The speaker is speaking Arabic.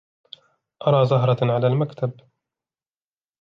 أرى زهرة على المكتب.